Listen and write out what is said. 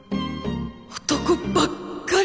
男ばっかり！